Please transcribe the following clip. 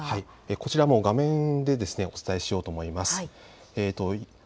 こちらも画面でお伝えしようと思います。